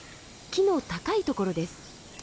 木の高いところです。